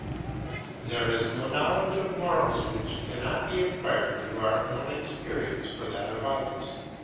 There is no knowledge of morals which cannot be acquired through our own experience or that of others.